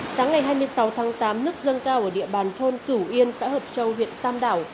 sáng ngày hai mươi sáu tháng tám nước dâng cao ở địa bàn thôn cửu yên xã hợp châu huyện tam đảo